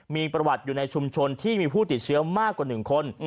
มีประวัติอยู่ในชุมชนที่มีผู้ติดเชื้อมากกว่า๑คน